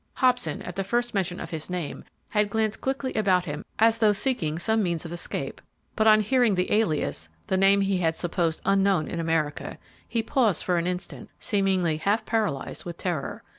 Hobson, at the first mention of his name, had glanced quickly about him as though seeking some means of escape, but on hearing the alias the name he had supposed unknown in America he paused for an instant, seemingly half paralyzed with terror.